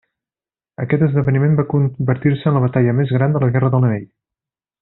Aquest esdeveniment va convertir-se en la batalla més gran de la Guerra de l'Anell.